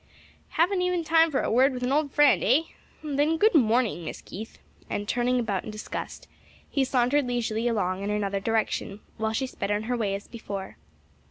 "Haven't time even for a word with an old friend, eh? Then good morning, Miss Keith," and turning about in disgust, he sauntered leisurely along in another direction while she sped on her way as before.